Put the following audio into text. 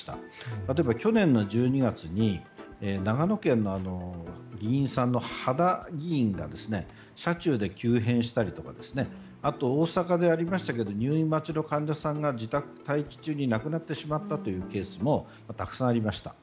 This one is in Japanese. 例えば去年１２月に長野県の議員さんの羽田議員が車中で急変したりとかあと、大阪でありましたけどリウマチの患者さんが自宅待機中に亡くなってしまったケースもたくさんありました。